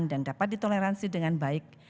dapat ditoleransi dengan baik